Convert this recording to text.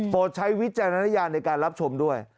โปรดใช้วิจัยณณญาณในการรับชมด้วย